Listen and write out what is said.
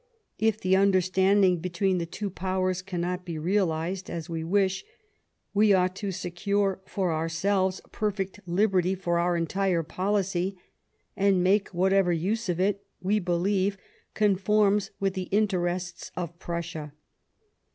If the under standing between the two Powers cannot be realized as we wish, we ought to secure for ourselves perfect liberty for our entire policy, and make whatever use of it we believe conforms with the interests of Prussia."